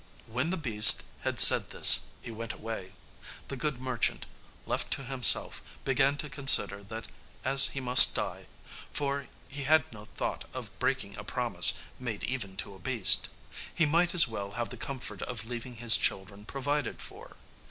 When the beast had said this he went away. The good merchant, left to himself, began to consider that as he must die for he had no thought of breaking a promise, made even to a beast he might as well have the comfort of leaving his children provided for.